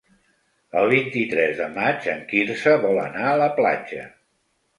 El vint-i-tres de maig en Quirze vol anar a la platja.